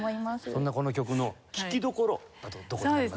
そんなこの曲の聴きどころはどこになります？